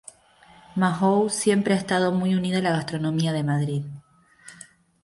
Mahou siempre ha estado muy unida a la gastronomía de Madrid.